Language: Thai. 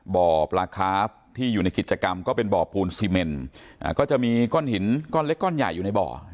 บ่อปลาคาฟที่อยู่ในกิจกรรมก็เป็นบ่อปูนซีเมนก็จะมีก้อนหินก้อนเล็กก้อนใหญ่อยู่ในบ่อ